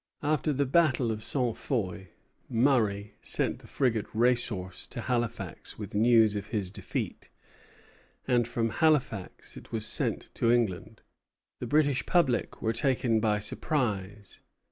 After the battle of Ste. Foy Murray sent the frigate "Racehorse" to Halifax with news of his defeat, and from Halifax it was sent to England. The British public were taken by surprise.